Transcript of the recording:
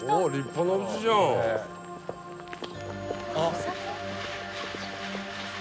お酒？